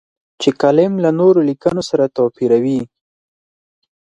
چې کالم له نورو لیکنو سره توپیروي.